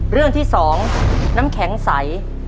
เรื่องที่๒น้ำแข็งใส